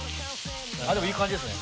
あっでもいい感じですね。